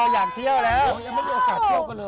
อ๋ออยากเที่ยวแล้วยังไม่ได้โอกาสเที่ยวไปเลยหรออ่ะค่ะ